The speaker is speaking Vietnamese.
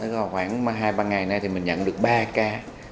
vào khoảng hai ba ngày nay thì mình nhận được ba ca